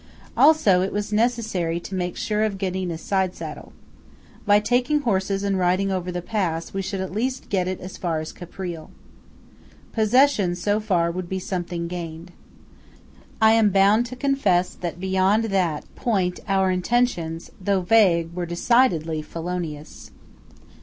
Also, it was necessary to make sure of Ghedina's side saddle. By taking horses and riding over the pass, we should at least get it as far as Caprile. Possession, so far, would be something gained. I am bound to confess that beyond that point our intentions, though vague, were decidedly felonious.